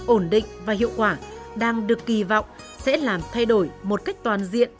ổn định và hiệu quả đang được kỳ vọng sẽ làm thay đổi một cách toàn diện